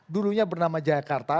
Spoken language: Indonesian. dulunya bernama jakarta